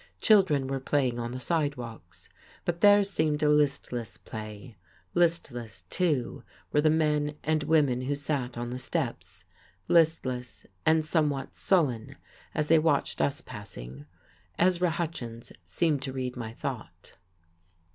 Children were playing on the sidewalks, but theirs seemed a listless play; listless, too, were the men and women who sat on the steps, listless, and somewhat sullen, as they watched us passing. Ezra Hutchins seemed to read my thought.